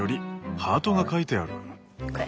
ハートが描いてある。